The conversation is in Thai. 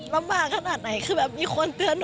นำมาขนาดไหนเคยมีคนเตือน